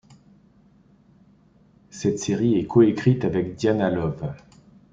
Cette série est coécrite avec Dianna Love.